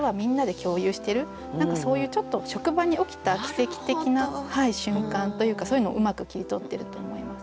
そういうちょっと職場に起きた奇跡的な瞬間というかそういうのをうまく切り取ってると思います。